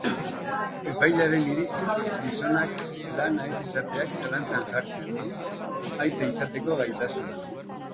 Epailearen iritziz, gizonak lana ez izateak zalantzan jartzen du aita izateko gaitasuna.